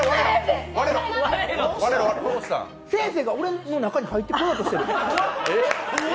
先生が俺の中に入ってこようとしてる。